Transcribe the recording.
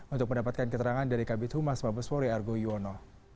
untuk mendapatkan keterangan dari kabinet humas mabespori argo iwono